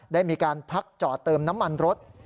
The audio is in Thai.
ได้มีการพักจอดเติมน้ำมันรถ